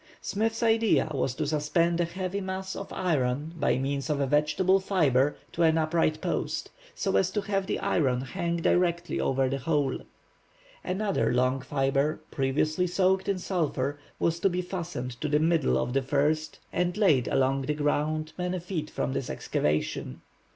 Smith's idea was to suspend a heavy mass of iron by means of a vegetable fibre to an upright post, so as to have the iron hang directly over the hole. Another long fibre, previously soaked in sulphur, was to be fastened to the middle of the first and laid along the ground many feet from this excavation.